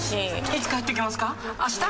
いつ帰ってきますか？